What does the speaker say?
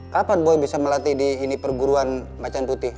kapan boy bisa melatih di ini perguruan macan putih